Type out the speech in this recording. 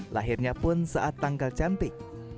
lahirnya pun saat tanggal cantik